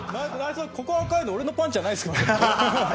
ここ赤いの、俺のパンチじゃないですよね？